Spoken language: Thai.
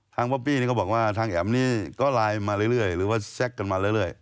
ป๊อปปี้นี่ก็บอกว่าทางแอ๋มนี่ก็ไลน์มาเรื่อยหรือว่าแซคกันมาเรื่อย